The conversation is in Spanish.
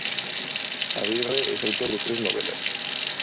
Agirre es autor de tres novelas.